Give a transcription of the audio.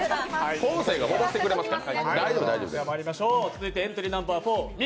昴生が戻してくれますから。